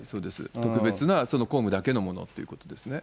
特別な公務だけのものということですね。